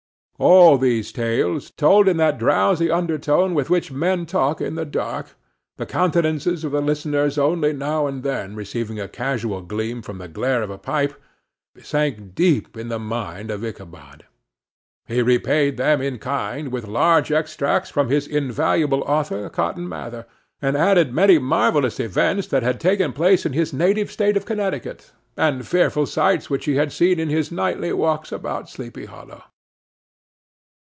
All these tales, told in that drowsy undertone with which men talk in the dark, the countenances of the listeners only now and then receiving a casual gleam from the glare of a pipe, sank deep in the mind of Ichabod. He repaid them in kind with large extracts from his invaluable author, Cotton Mather, and added many marvellous events that had taken place in his native State of Connecticut, and fearful sights which he had seen in his nightly walks about Sleepy Hollow.